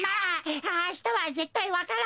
あしたはぜったいわか蘭。